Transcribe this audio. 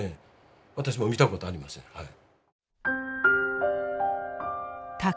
私も見たことありませんはい。